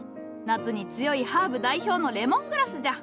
夏に強いハーブ代表の「レモングラス」じゃ。